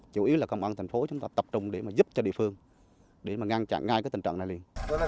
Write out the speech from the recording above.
chủ yếu là công an thành phố chúng ta tập trung để mà giúp cho địa phương để mà ngăn chặn ngay cái tình trạng này liền